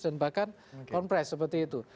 dan bahkan on press seperti itu